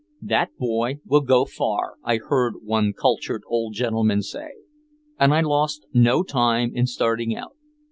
"That boy will go far," I heard one cultured old gentleman say. And I lost no time in starting out.